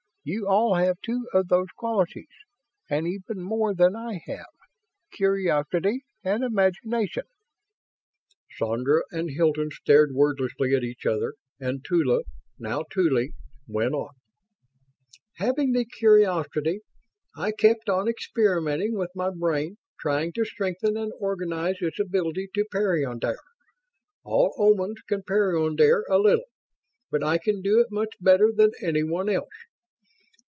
You all have two of those qualities, and even more than I have curiosity and imagination." Sandra and Hilton stared wordlessly at each other and Tula, now Tuly, went on: "Having the curiosity, I kept on experimenting with my brain, trying to strengthen and organize its ability to peyondire. All Omans can peyondire a little, but I can do it much better than anyone else.